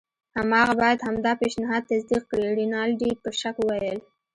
هماغه باید همدا پیشنهاد تصدیق کړي. رینالډي په شک وویل.